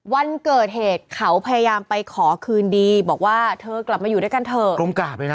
วันเกิดเหตุเขาพยายามไปขอคืนดีบอกว่าเธอกลับมาอยู่ด้วยกันเถอะกลมกราบเลยนะ